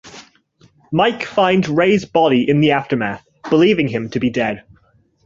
Mike finds Ray's body in the aftermath, believing him to be dead.